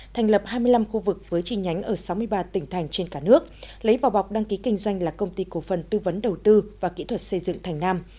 thành lập hai mươi năm khu vực với trình nhánh ở sáu mươi ba tỉnh thành trên cả nước lấy vào bọc đăng ký kinh doanh là công ty cổ phần tư vấn đầu tư và kỹ thuật xây dựng thành nam